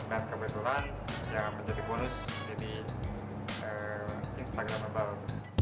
dan kebetulan yang menjadi bonus di instagramable